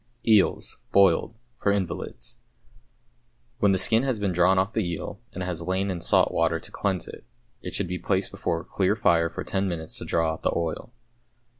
=Eels, Boiled, for Invalids.= When the skin has been drawn off the eel, and it has lain in salt water to cleanse it, it should be placed before a clear fire for ten minutes to draw out the oil.